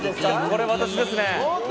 これ私ですね。